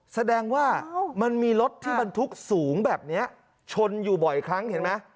แสดงว่ามันมีรถที่บรรทุกสูงแบบนี้ชนอยู่บ่อยครั้งเห็นไหม